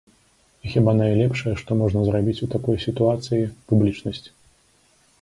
І хіба найлепшае, што можна зрабіць у такой сітуацыі, —публічнасць.